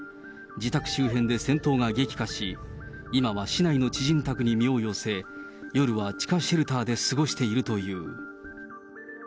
自宅周辺で戦闘が激化し、今は市内の知人宅に身を寄せ、夜は地下シェルターで過ごしているという。